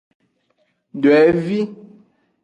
Dwevi.